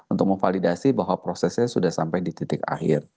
untuk memvalidasi bahwa prosesnya sudah sampai di titik akhir